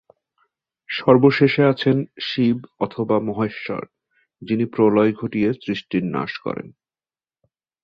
সর্বশেষে আছেন শিব অথবা মহেশ্বর, যিনি প্রলয় ঘটিয়ে সৃষ্টির নাশ করেন।